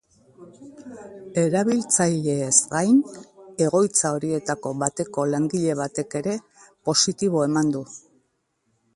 Erabiltzaileez gain, egoitza horietako bateko langile batek ere positibo eman du.